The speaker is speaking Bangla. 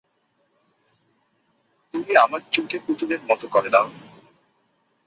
তুমি আমার চুলকে পুতুলের মতো করে দাও।